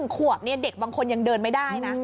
ขวบเด็กบางคนยังเดินไม่ได้นะ